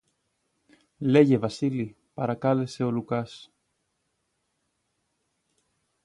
Λέγε, Βασίλη, παρακάλεσε ο Λουκάς